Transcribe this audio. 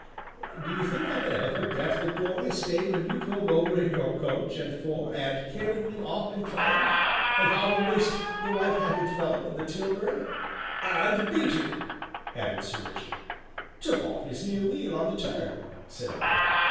"Do you think I can ever forget the glorious day when you drove over in your coach and four, and carried me off in triumph, and how we raced the white hatted fellow in the tilbury ?" "And beat him!" added Sir Richard. "Took off his near wheel on the turn," said I.